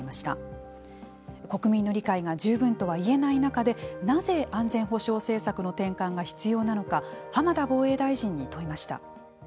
国民の理解が十分とはいえない中でなぜ、安全保障政策の転換が必要なのか浜田防衛大臣に問いました。